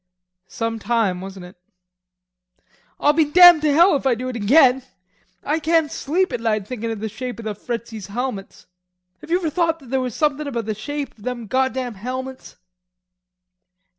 "Some time, wasn't it?" "I'll be damned to hell if I do it again. I can't sleep at night thinkin' of the shape of the Fritzies' helmets. Have you ever thought that there was somethin' about the shape of them goddam helmets...?"